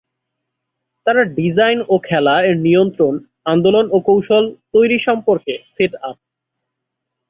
তারা ডিজাইন ও খেলা, এর নিয়ন্ত্রণ, আন্দোলন ও কৌশল তৈরি সম্পর্কে সেট আপ।